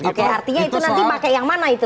oke artinya itu nanti pakai yang mana itu